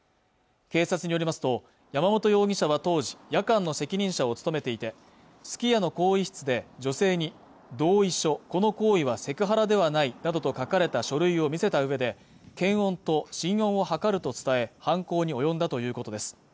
警察によりますと山本容疑者は当時夜間の責任者を務めていてすき家の更衣室で女性に同意書、この行為はセクハラではないなどと書かれた書類を見せた上で検温と心音を測ると伝え犯行に及んだということです